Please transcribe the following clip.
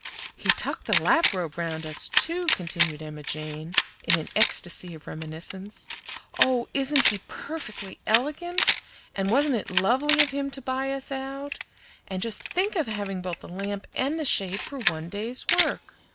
"He tucked the lap robe round us, too," continued Emma Jane, in an ecstasy of reminiscence. "Oh! isn't he perfectly elergant? And wasn't it lovely of him to buy us out? And just think of having both the lamp and the shade for one day's work!